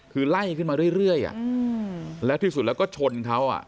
คือไล่ขึ้นมาเรื่อยแล้วที่สุดแล้วก็ชนเขา